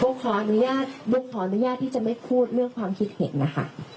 ขออนุญาตโบขออนุญาตที่จะไม่พูดเรื่องความคิดเห็นนะคะ